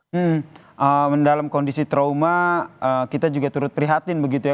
hmm dalam kondisi trauma kita juga turut prihatin begitu ya